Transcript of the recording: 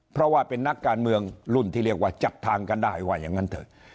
เพราะว่าเป็นนักการเมืองรุ่นที่เรียกว่าจับทางกันได้ว่าอย่างนั้นเถอะ